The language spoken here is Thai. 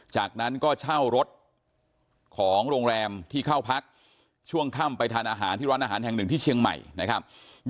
จากนั้นก็เช่ารถของโรงแรมที่เข้าพักช่วงค่ำไปทานอาหารที่ร้านอาหารแห่งหนึ่งที่เชียงใหม่นะครับ